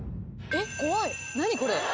何これ？